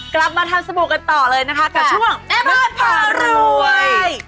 กลับมาทำสบู่กันต่อเลยนะคะกับช่วงแม่บ้านผ่ารวย